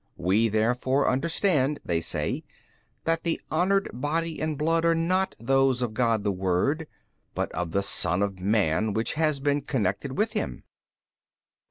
WE therefore understand (they say) that the honoured body and blood are not those of God the Word but of the son of man which has been connected with Him.